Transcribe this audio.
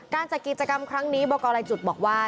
การจากกิจกรรมครั้งนี้บรจุดบอกว่า